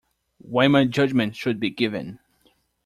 When my judgment should be given.